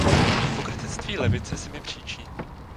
Pokrytectví levice se mi příčí.